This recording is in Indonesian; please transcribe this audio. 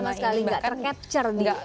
bahkan sama sekali gak tercetcher di dunia itu